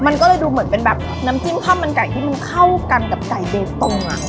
มันก็เลยดูเหมือนเป็นแบบน้ำจิ้มข้าวมันไก่ที่มันเข้ากันกับไก่เบตง